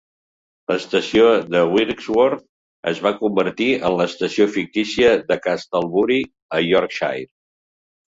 L'estació de Wirksworth es va convertir en l'estació fictícia de 'Castlebury' a Yorkshire.